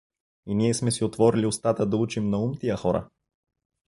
И ние сме си отворили устата да учим на ум тия хора?